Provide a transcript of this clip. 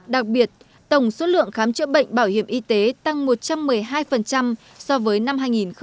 đặc biệt tổng số lượng khám chữa bệnh bảo hiểm y tế tăng một trăm một mươi hai so với năm hai nghìn một mươi bảy